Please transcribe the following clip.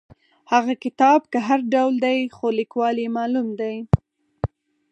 هغه کتاب که هر ډول دی خو لیکوال یې معلوم دی.